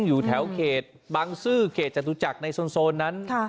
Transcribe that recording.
อยู่แถวเขตบังซื้อเขตจตุจักรในโซนนั้น